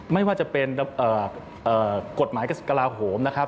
ไม่ว่าจะเป็นกฎหมายกระสิบกระลาฮมนะครับ